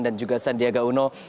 dan juga sandiaga uno